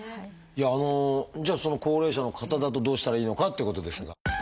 じゃあ高齢者の方だとどうしたらいいのかっていうことですが。